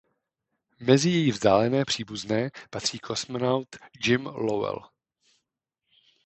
Mezi její vzdálené příbuzné patří kosmonaut Jim Lowell.